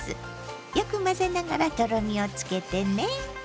よく混ぜながらとろみをつけてね。